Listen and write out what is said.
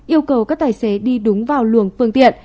yêu cầu các tài xế đi đúng vào luồng phương tiện